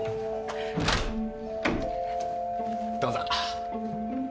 どうぞ。